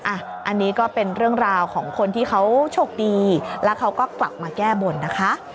อันนี้ก็เป็นเรื่องราวของคนที่เขาโชคดีแล้วเขาก็กลับมาแก้บนนะคะ